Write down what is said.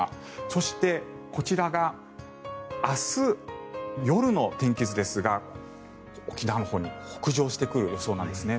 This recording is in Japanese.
そして、こちらが明日夜の天気図ですが沖縄のほうに北上してくる予想なんですね。